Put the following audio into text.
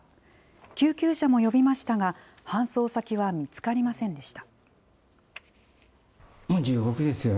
救急車も呼びましたが、搬送先は見つかりませんでした。